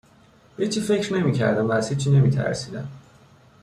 به هیچی فکر نمیکردم و از هیچی نمیترسیدم